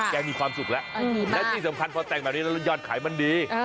มีความสุขแล้วและที่สำคัญพอแต่งแบบนี้แล้วยอดขายมันดี